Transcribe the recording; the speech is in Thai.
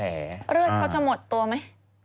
เลือดเขาจะหมดตัวไหม